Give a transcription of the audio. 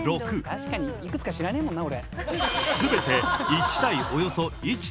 確かにいくつか知らねえもんな俺。